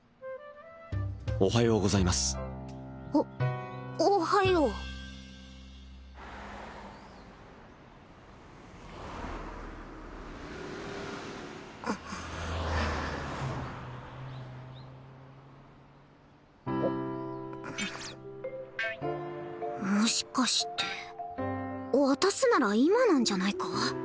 おはようございますおおはようもしかして渡すなら今なんじゃないか？